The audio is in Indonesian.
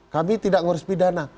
kami tidak mengurus pidana